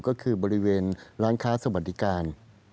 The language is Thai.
ก็คือบริเวณร้านค้าสวัสดิการ